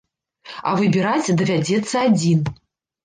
А выбіраць давядзецца адзін.